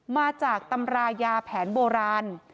มาจากตำรายาแผนโบราณ